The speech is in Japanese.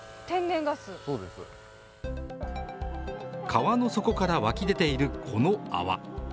川の底から湧き出ているこの泡。